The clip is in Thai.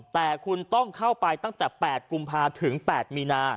แต่คุณต้องเข้าไปตั้งแต่๘กุมภาถึง๘มีนา